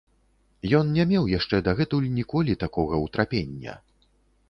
Ён не меў яшчэ дагэтуль ніколі такога ўтрапення.